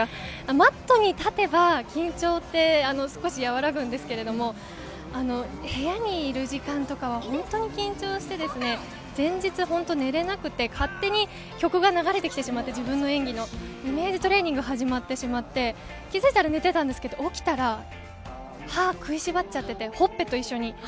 マットに立てば緊張って、少し和らぐんですけれど、部屋にいる時間とかは本当に緊張して、前日、本当寝れなくて、勝手に曲が流れてきてしまって自分の演技のイメージトレーニングが始まってしまって気づいたら寝てたんですけど起きたら歯を食いしばっちゃっててほっぺと一緒に。